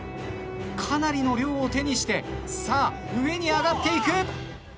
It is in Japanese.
かなりの量を手にしてさあ上に上がっていく。